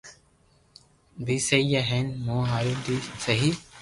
بي سھي ھي ھين مون ھارين بي سھي